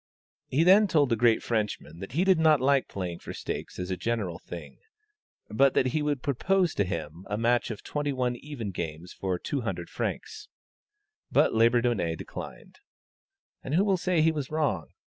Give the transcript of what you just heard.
He then told the great Frenchman that he did not like playing for stakes as a general thing, but that he would propose to him a match of twenty one even games for 200 francs; but Labourdonnais declined. And who will say he was wrong?